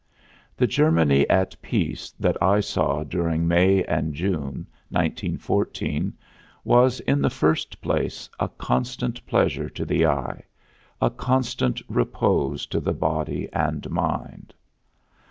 The Germany at peace that I saw during May and June, 1914, was, in the first place, a constant pleasure to the eye, a constant repose to the body and mind.